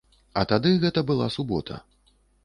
А тады гэта была субота.